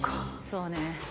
そうね。